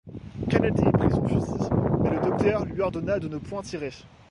Kennedy prit son fusil, mais le docteur lui ordonna de ne point tirer.